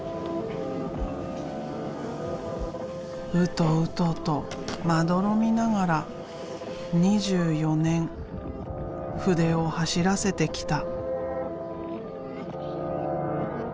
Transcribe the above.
ウトウトとまどろみながら２４年筆を走らせてきた。